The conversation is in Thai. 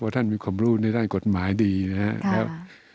ท่านมีความรู้ในด้านกฎหมายดีนะครับ